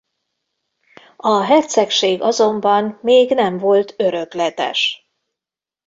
A hercegség azonban még nem volt örökletes.